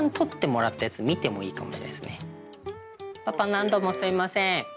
パパ何度もすいません。